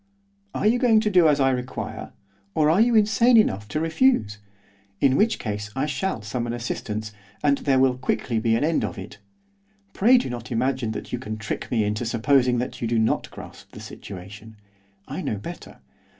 'Are you going to do as I require, or are you insane enough to refuse? in which case I shall summon assistance, and there will quickly be an end of it. Pray do not imagine that you can trick me into supposing that you do not grasp the situation. I know better.